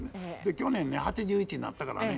去年ね８１になったからね